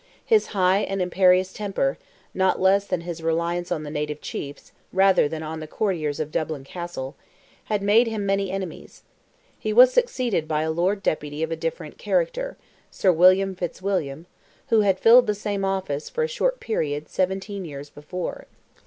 His high and imperious temper, not less than his reliance on the native chiefs, rather than on the courtiers of Dublin Castle, had made him many enemies. He was succeeded by a Lord Deputy of a different character—Sir William Fitzwilliam—who had filled the same office, for a short period, seventeen years before.